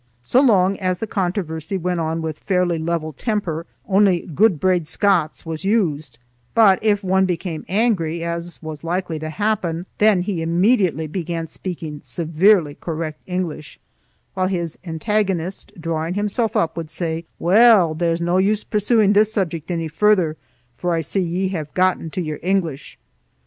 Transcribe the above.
So long as the controversy went on with fairly level temper, only gude braid Scots was used, but if one became angry, as was likely to happen, then he immediately began speaking severely correct English, while his antagonist, drawing himself up, would say: "Weel, there's na use pursuing this subject ony further, for I see ye hae gotten to your English."